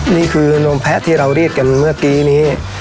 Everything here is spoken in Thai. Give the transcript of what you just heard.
นี่คือนมแพะที่เราเรียกกันเมื่อกี้นี้